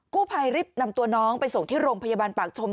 ผู้ภัยรีบนำตัวน้องไปส่งที่โรงพยาบาลปากชม